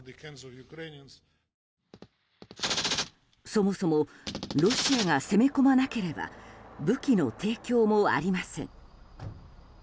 そもそもロシアが攻め込まなければ武器の提供もありません。